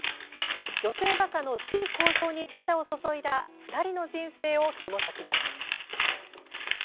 女性画家の地位向上に力を注いだ２人の人生をひもときます。